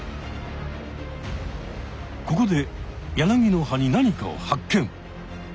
ここでヤナギの葉に何かを発見！